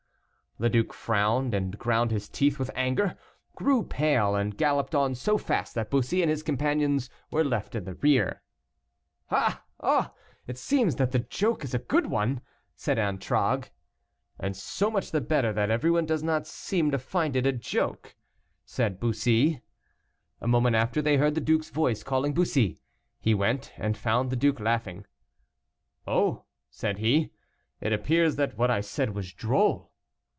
The duke frowned, and ground his teeth with anger, grew pale, and galloped on so fast, that Bussy and his, companions were left in the rear. "Ah! ah! it seems that the joke is a good one," said Antragues. "And so much the better, that everyone does not seem to find it a joke," said Bussy. A moment after, they heard the duke's voice calling Bussy. He went, and found the duke laughing. "Oh!" said he, "it appears that what I said was droll."